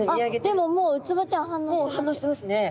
でももうウツボちゃん反応してます。